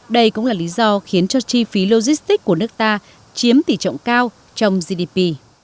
đây cũng là lý do khiến cho chi phí logistics của nước ta chiếm tỷ trọng cao trong gdp